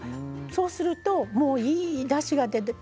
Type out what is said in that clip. そうするともういいだしが出て。